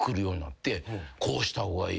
こうした方がいい。